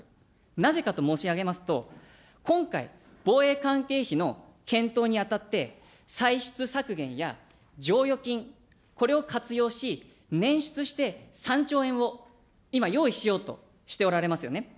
なぜかと申し上げますと、今回、防衛関係費の検討にあたって、歳出削減や、剰余金、これを活用し、捻出して３兆円を今、用意しようとしておられますよね。